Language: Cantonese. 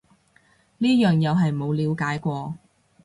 呢樣又係冇了解過